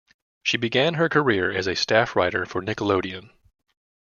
She began her career as a staff writer for Nickelodeon.